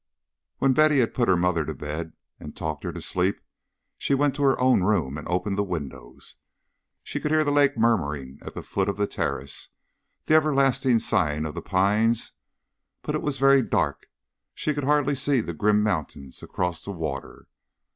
When Betty had put her mother to bed and talked her to sleep, she went to her own room and opened the window. She could hear the lake murmuring at the foot of the terrace, the everlasting sighing of the pines; but it was very dark: she could hardly see the grim mountains across the water.